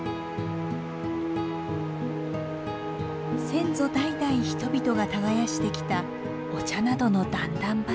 先祖代々人々が耕してきたお茶などの段々畑。